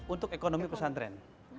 untuk ekonomi pesantren